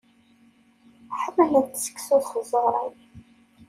Ḥemmlent seksu s tẓuṛin.